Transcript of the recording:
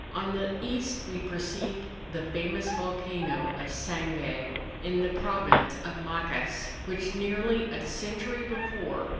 On the east we perceived the famous volcano of Sangay, in the province of Macas, which, nearly a century before.